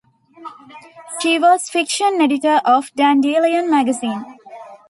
She was fiction editor of "Dandelion" magazine.